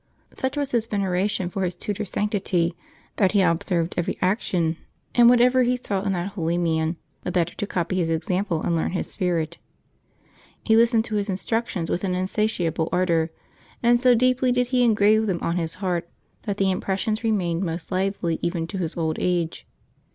Such was his veneration for his tutor's sanctity that he observed every action and whatever he saw in that holy man, the better to copy his example and learn his spirit. He listened to his instructions with an insatiable ardor, and so deeply did he engrave them on his heart that the impressions remained most lively even to his old age.